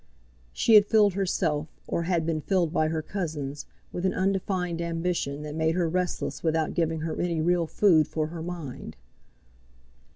She had filled herself, or had been filled by her cousins, with an undefined ambition that made her restless without giving her any real food for her mind.